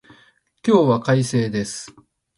今日は快晴です。